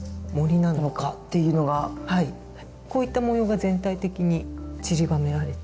こういった模様が全体的にちりばめられています。